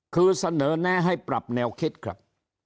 คือเสนอแนะให้ปรับแนวคิดครับ